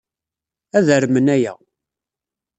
Ad armen aya.